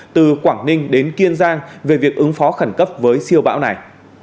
từ quảng ninh đến kiên giang về việc ứng phó khẩn cấp với siêu bão này